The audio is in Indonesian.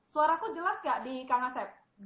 suara aku jelas gak di kang asep